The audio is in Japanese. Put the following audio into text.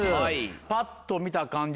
ぱっと見た感じ